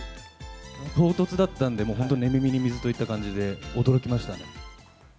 唐突だったんで、もう本当、寝耳に水といった感じで、驚きましたね。